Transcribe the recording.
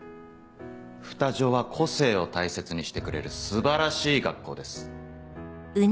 二女は個性を大切にしてくれる素晴らしい学校です。